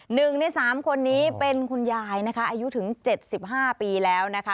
หนึ่งในสามคนนี้เป็นคุณยายนะคะอายุถึง๗๕ปีแล้วนะคะ